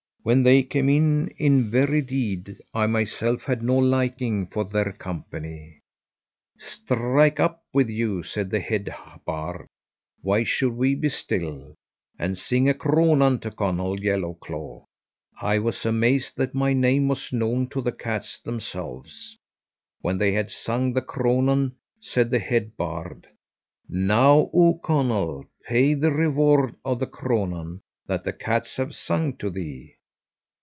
When they came in, in very deed I myself had no liking for their company. 'Strike up with you,' said the head bard, 'why should we be still? and sing a cronan to Conall Yellowclaw.' I was amazed that my name was known to the cats themselves. When they had sung the cronan, said the head bard, 'Now, O Conall, pay the reward of the cronan that the cats have sung to thee.'